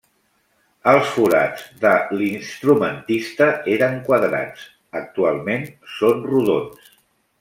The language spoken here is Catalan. Els forats de l'instrumentista eren quadrats, actualment són rodons.